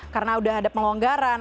karena udah ada pengonggaran